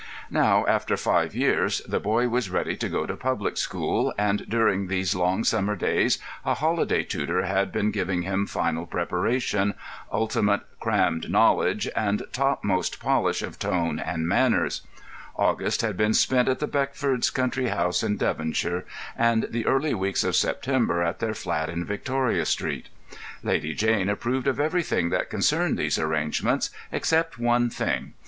Now, after five years, the boy was ready to go to a public school, and during these long summer days a holiday tutor had been giving him final preparation, ultimate crammed knowledge, and topmost polish of tone and manners. August had been spent at the Beckfords' country house in Devonshire, and the early weeks of September at their flat in Victoria Street. Lady Jane approved of everything that concerned these arrangements, except one thing.